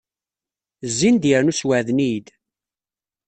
Zzin-d yernu sweɛden-iyi-d.